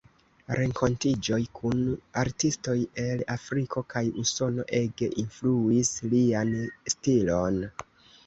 Renkontiĝoj kun artistoj el Afriko kaj Usono ege influis lian stilon.